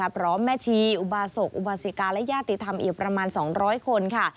แม่ชีอุบาศกอุบาสิกาและญาติธรรมอีกประมาณ๒๐๐คนค่ะ